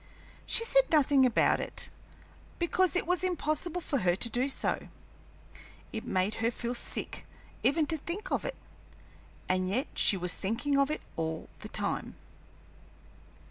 She said nothing about it, because it was impossible for her to do so. It made her feel sick even to think of it, and yet she was thinking of it all the time.